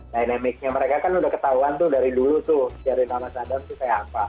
dynamicnya mereka kan sudah ketahuan tuh dari dulu tuh sherina mas saddam itu kayak apa